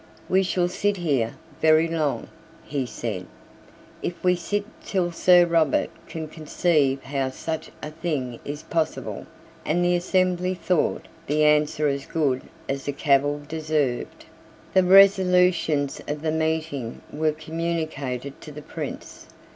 "We shall sit here very long," he said, "if we sit till Sir Robert can conceive how such a thing is possible;" and the assembly thought the answer as good as the cavil deserved. The resolutions of the meeting were communicated to the Prince.